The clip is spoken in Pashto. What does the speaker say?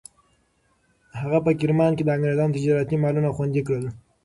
هغه په کرمان کې د انګریزانو تجارتي مالونه خوندي کړل.